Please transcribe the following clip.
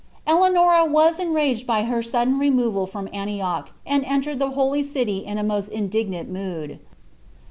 Eloanoni was enraged at her sudden remoi'al from Antioch, ami enteied the Holy City in a moat indignant mood.